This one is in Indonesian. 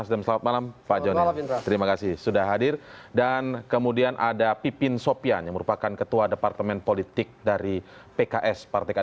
selamat malam pak bimbing terima kasih